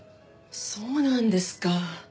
そうなんですか。